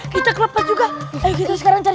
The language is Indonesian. kita kelepas juga ayo kita sekarang cari